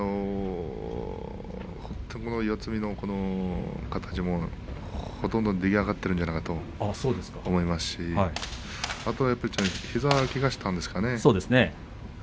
本当に四つ身の形もほとんど出来上がってるんじゃないかと思いますしあとはやっぱり膝をけがしたんでしょうかね。